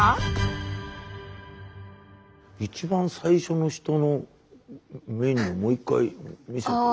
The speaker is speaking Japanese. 一番最初の人のメニューもう一回見せて。